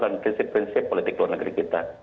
dan prinsip prinsip politik luar negeri kita